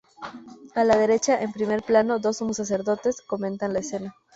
A la derecha, en primer plano, dos sumos sacerdotes comentan la escena.